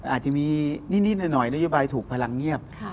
อาจจะมีนิดหน่อยนโยบายถูกพลังเงียบ